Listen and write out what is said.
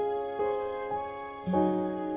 aku akan menjaga dia